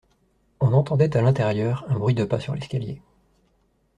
On entendait à l'intérieur un bruit de pas sur l'escalier.